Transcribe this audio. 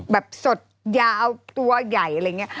แบบสดยาวตัวใหญ่อะไรอย่างนี้